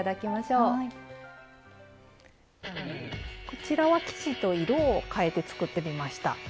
こちらは生地と色を変えて作ってみました。